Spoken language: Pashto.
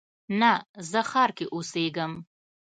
نه، زه ښار کې اوسیږم